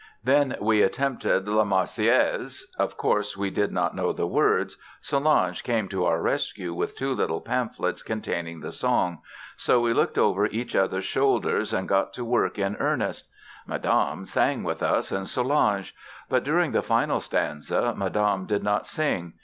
Then we attempted "La Marseillaise." Of course, we did not know the words. Solange came to our rescue with two little pamphlets containing the song, so we looked over each other's shoulders and got to work in earnest. Madame sang with us, and Solange. But during the final stanza Madame did not sing.